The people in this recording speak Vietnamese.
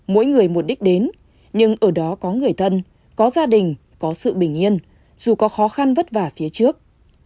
mỗi người một đích đến nhưng ở đó có người thân có gia đình có sự bình yên dù có khó khăn vất vả phía trước